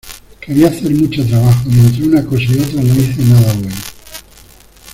Quería hacer mucho trabajo y entre una cosa y otra no hice nada bueno.